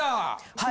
はい。